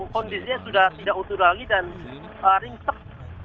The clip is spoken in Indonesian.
kondisinya sudah tidak utuh lagi dan ringsek